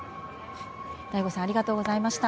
醍醐さんありがとうございました。